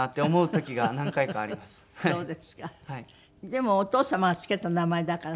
でもお父様が付けた名前だから。